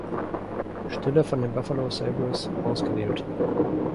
Stelle von den Buffalo Sabres ausgewählt.